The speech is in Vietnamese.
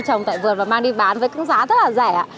trồng tại vườn và mang đi bán với cái giá rất là rẻ